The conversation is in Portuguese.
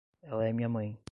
Ela é minha mãe.